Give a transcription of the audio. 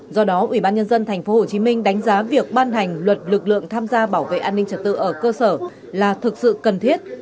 do đó ủy ban nhân dân tp hcm đánh giá việc ban hành luật lực lượng tham gia bảo vệ an ninh trật tự ở cơ sở là thực sự cần thiết